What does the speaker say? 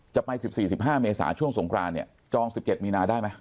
จะไป๑๔๑๕เมษาช่วงสงครานเนี่ยจอง๑๗มีนาได้ไหม